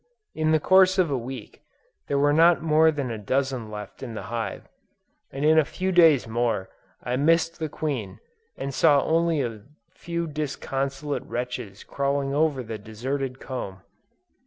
In the course of a week, there were not more than a dozen left in the hive, and in a few days more, I missed the queen, and saw only a few disconsolate wretches crawling over the deserted comb!